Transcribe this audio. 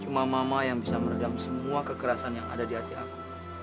mama mama yang bisa meredam semua kekerasan yang ada di hati aku